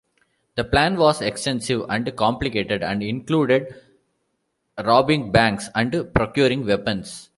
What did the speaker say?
The plan was extensive and complicated and included robbing banks and procuring weapons.